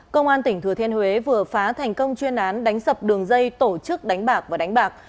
công an tỉnh thừa thiên huế vừa phá thành công chuyên án đánh sập đường dây tổ chức đánh bạc và đánh bạc